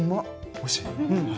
おいしい？